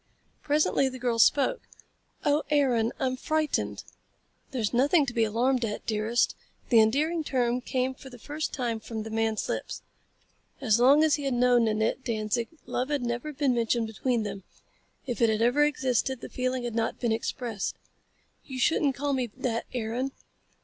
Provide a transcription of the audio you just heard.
Presently the girl spoke. "Oh, Aaron, I'm frightened!" "There's nothing to be alarmed at, dearest." The endearing term came for the first time from the man's lips. As long as he had known Nanette Danzig, love had never been mentioned between them. If it had ever existed, the feeling had not been expressed. "You shouldn't call me that, Aaron."